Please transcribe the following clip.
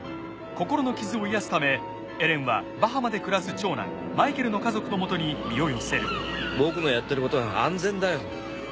心の傷を癒やすためエレンはバハマで暮らす長男マイケルの家族のもとに身を寄せる僕のやってることは安全だよ。